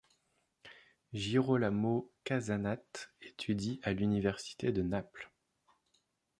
Girolamo Casanate étudie à l'université de Naples.